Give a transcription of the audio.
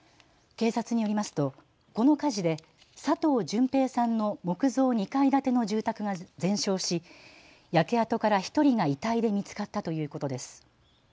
警察によりますとこの火事で佐藤順平さんの木造２階建ての住宅が全焼し焼け跡から１人が遺体で見つかったということです。